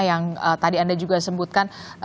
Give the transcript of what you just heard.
yang tadi anda juga sebutkan